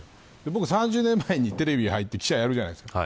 僕は、３０年前にテレビに入って記者をやるじゃないですか。